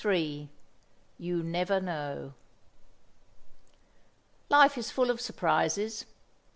III "You Never Know" Life is full of surprises.